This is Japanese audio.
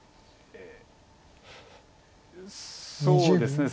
そうですね